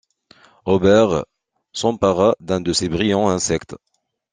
Robert s’empara d’un de ces brillants insectes.